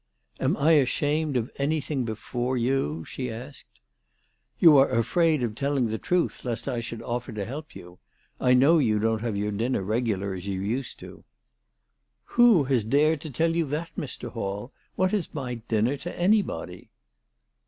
"Am I ashamed of anything before you ?" she asked. "You are afraid of telling the truth lest I should THE TELEGRAPH GIRL. 297 offer to help you. I know you don't have your dinner regular as you used." " Who has dared to tell you that, Mr. Hall ? "What is my dinner to anybody